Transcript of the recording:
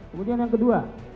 kemudian yang kedua